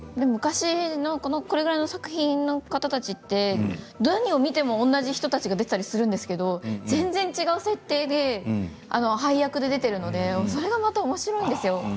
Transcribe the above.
これぐらいの作品の方たちって何を見ても同じ人たちが出ていたりするんですけれど全然違う設定で配役で出ているので、それがまたおもしろいんですよ。